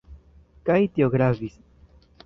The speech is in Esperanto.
Kaj tio gravis.